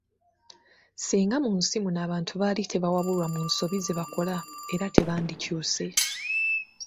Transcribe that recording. Singa mu nsi muno abantu baali tebawabulwa mu nsobi zebakola era tebandikyuse.